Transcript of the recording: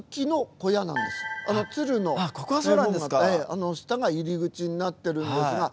あの下が入り口になってるんですが。